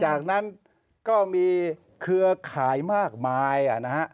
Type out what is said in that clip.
จากนั้นก็มีเครือข่ายมากมายนะฮะ